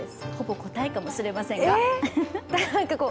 答えかもしれませんが。